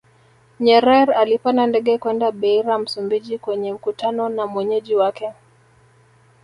Nyerer alipanda ndege kwenda Beira Msumbiji kwenye mkutano na mwenyeji wake